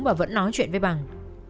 và vẫn nói chuyện với bằng